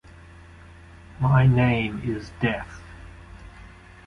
My name is death!